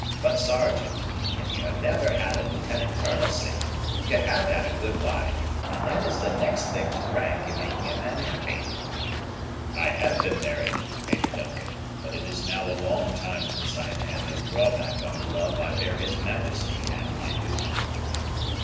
But, Sergeant, if you have never had a lieutenant colonelcy, you have had a good wife, and that is the next thing to rank in making a man happy." "I have been married, Major Duncan; but it is now a long time since I have had no drawback on the love I bear his majesty and my duty."